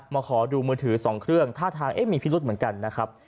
ขอดูมือถือ๒เครื่องท่าทางเอ๊ะมีพิรุษเหมือนกันนะครับ